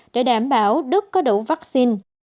để đảm bảo đức có đủ vaccine